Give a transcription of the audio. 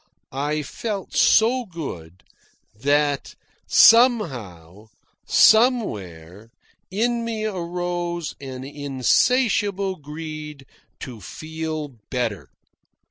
I felt so good, that somehow, somewhere, in me arose an insatiable greed to feel better.